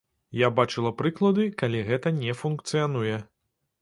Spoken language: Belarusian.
Я бачыла прыклады, калі гэта не функцыянуе.